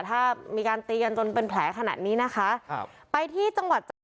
ถ้ามีการตีกันจนเป็นแผลขนาดนี้นะคะครับไปที่จังหวัดจันท